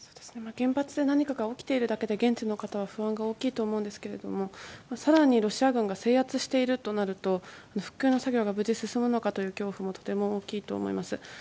原発で何かが起きているだけで現地の方は不安が大きいと思いますが更にロシア軍が制圧しているとなると復旧作業が無事進むのかという恐怖もとても大きいと思います。